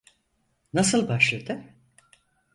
Nasıl başladı?